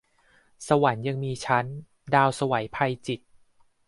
สวรรค์ยังมีชั้น - ดาวไสว ไพจิตร